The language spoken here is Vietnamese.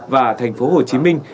và thành phố hồ chí minh